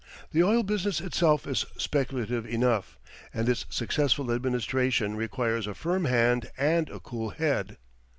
The oil business itself is speculative enough, and its successful administration requires a firm hand and a cool head.